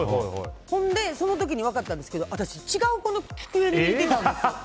ほんで、その時に分かったんですけど私違う子の机に入れてたんですよ。